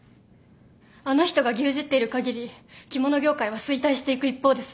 あの人が牛耳っている限り着物業界は衰退していく一方です。